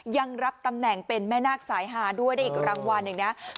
ยังรับตำแหน่งเป็นแม่นาคสายฮาด้วยรางวัลอีกนะครับ